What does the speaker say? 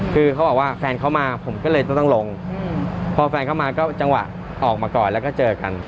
คือเขาบอกว่าแฟนเขามาผมก็เลยต้องลงพอแฟนเข้ามาก็จังหวะออกมาก่อนแล้วก็เจอกัน